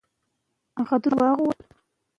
که کار وي نو سخا وي.